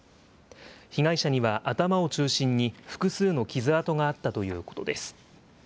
被害者には頭を中心に、複数の傷痕があったということです。